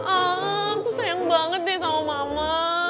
aku sayang banget deh sama mama